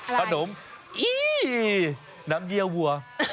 ขนมอี้น้ำเยี่ยวัว